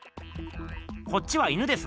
こっちは犬です。